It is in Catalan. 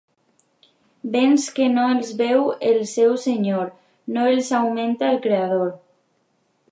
Béns que no els veu el seu senyor, no els augmenta el Creador.